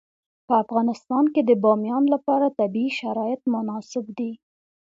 په افغانستان کې د بامیان لپاره طبیعي شرایط مناسب دي.